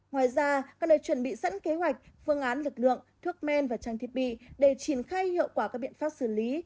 ngoài ra các đời chuẩn bị sẵn kế hoạch phương án lực lượng thuốc men và trang thiết bị để trình khai hiệu quả các biện pháp xử lý